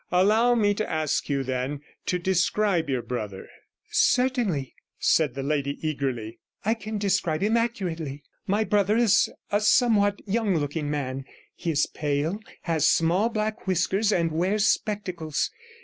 Allow me to ask you then to describe your brother.' 'Certainly,' said the lady eagerly; 'I can describe him accurately. My brother is a somewhat young looking man; he is pale, has small black whiskers, and wears spectacles.